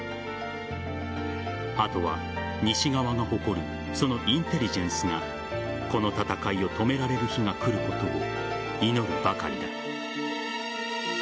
あとは西側の誇るそのインテリジェンスがこの戦いを止められる日が来ることを祈るばかりだ。